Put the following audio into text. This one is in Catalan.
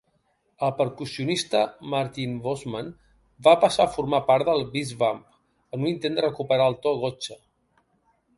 El percussionista Martijn Bosman va passar a formar part de Beeswamp en un intent de "recuperar el to Gotcha!".